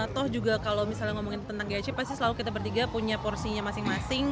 toh juga kalau misalnya ngomongin tentang gas pasti selalu kita bertiga punya porsinya masing masing